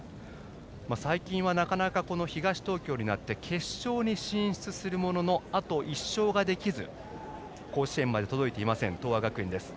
最近はなかなか東東京になって決勝に進出するもののあと１勝ができず甲子園まで届いていません東亜学園です。